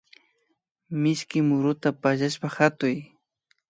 Mishki muruta pallashpa hatuy